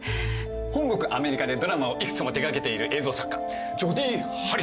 本国アメリカでドラマを幾つも手掛けている映像作家ジョディ・ハリスさんだ。